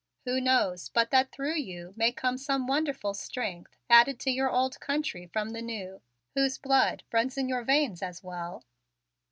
Who knows but that through you may come some wonderful strength added to your old country from the new, whose blood runs in your veins as well?"